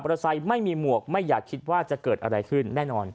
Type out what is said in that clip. ไซค์ไม่มีหมวกไม่อยากคิดว่าจะเกิดอะไรขึ้นแน่นอน